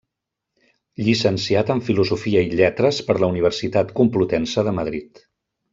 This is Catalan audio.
Llicenciat en Filosofia i Lletres per la Universitat Complutense de Madrid.